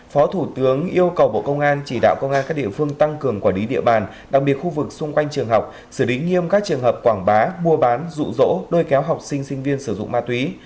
phó thủ tướng yêu cầu bộ công an chỉ đạo công an các địa phương tăng cường quản lý địa bàn đặc biệt khu vực xung quanh trường học xử lý nghiêm các trường hợp quảng bá mua bán rụ rỗ lôi kéo học sinh sinh viên sử dụng ma túy